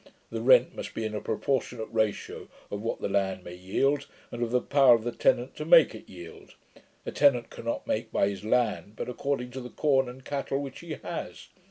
The rent must be in a proportionate ratio of what the land may yield, and of the power of the tenant to make it yield. A tenant cannot make by his land, but according to the corn and cattle which he has.